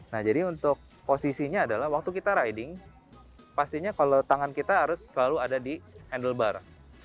nah jadi untuk posisinya adalah waktu kita riding pastinya kalau tangan kita harus selalu ada di handlebar